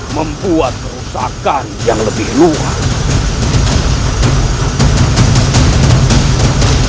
membuat kerusakan yang lebih luas